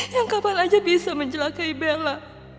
yang kapan aja bisa menjelakai bella